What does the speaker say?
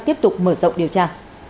tiếp tục mở rộng điều tra